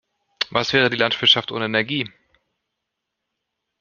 Was wäre die Landwirtschaft ohne Energie?